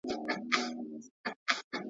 له هندوستان سره به سوداګري زیاته شي.